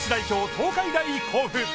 ・東海大甲府。